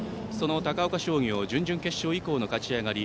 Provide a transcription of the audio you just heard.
高岡商業準々決勝以降の勝ち上がり。